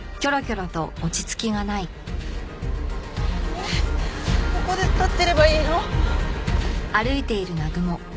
えっここで立ってればいいの？